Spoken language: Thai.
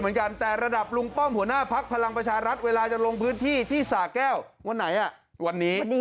เวลาจะลงพื้นที่ที่สาแก้ววันไหนอ่ะวันนี้